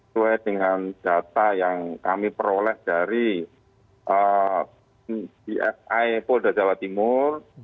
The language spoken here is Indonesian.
sesuai dengan data yang kami peroleh dari dvi polda jawa timur